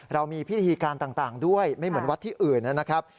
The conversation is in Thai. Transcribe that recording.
เรามีพิธีการต่างด้วยไม่เหมือนวัดที่อื่นนะครับ